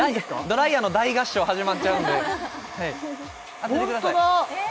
ドライヤーの大合唱始まっちゃうんでホントだ！